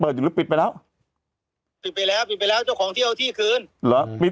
ปิดไปแล้วปิดไปแล้วเจ้าของที่เอาที่คืน